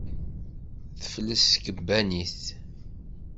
Tefles tkebbanit.